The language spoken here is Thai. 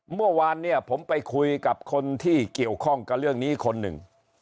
เมื่อวานเนี่ยผมไปคุยกับคนที่เกี่ยวข้องกับเรื่องนี้คนหนึ่ง